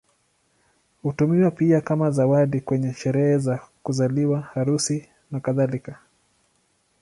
Hutumiwa pia kama zawadi kwenye sherehe za kuzaliwa, harusi, nakadhalika.